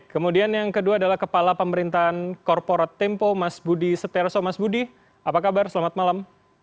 kemudian yang kedua adalah kepala pemerintahan korporat tempo mas budi seteroso mas budi apa kabar selamat malam